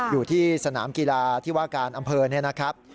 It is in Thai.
อยู่ที่สนามกีฬาที่ว่าการอำเภอเนี่ยนะครับ